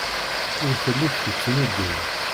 Ur telli tettnuddum.